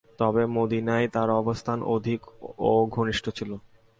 তবে মদীনায়ই তার অবস্থান অধিক ও ঘনিষ্ট ছিল।